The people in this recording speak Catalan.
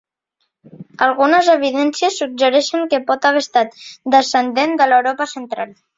Algunes evidències suggereixen que pot haver estat descendent de l'Europa central.